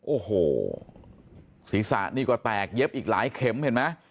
โอ้โหศีรษะนี่ก็แตกเย็บอีกหลายเข็มเห็นไหม